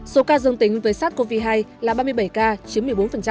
số ca dương tính với sars cov hai là ba mươi bảy ca chiếm một mươi bốn